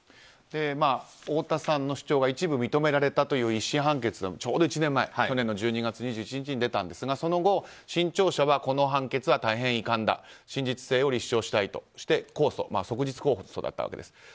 太田さんの主張が一部認められたという１審判決、ちょうど１年前去年の１２月２１日に出たんですがその後、新潮社はこの判決は大変遺憾だ真実性を立証したいとして即日控訴だったわけです。